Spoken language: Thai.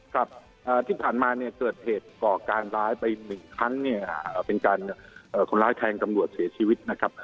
ครับที่ผ่านมาเนี่ยเกิดเหตุก่อการร้ายไปหนึ่งครั้งเนี่ยเป็นการคนร้ายแทงตำรวจเสียชีวิตนะครับ